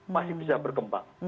masih bisa berkembang